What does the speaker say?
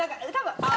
ああ！